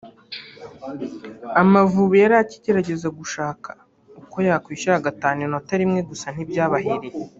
Amavubi yari akigerageza gushaka uko yakwishyura agatahana inota rimwe gusa ntibyayahiriye